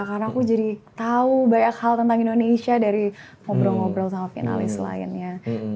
karena aku jadi tau banyak hal tentang indonesia dari ngobrol ngobrol sama finalis lainnya